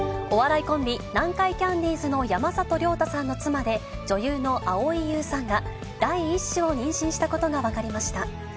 お笑いコンビ、南海キャンディーズの山里亮太さんの妻で、女優の蒼井優さんが、第１子を妊娠したことが分かりました。